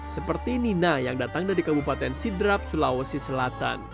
seperti nina yang datang dari kabupaten sidrap sulawesi selatan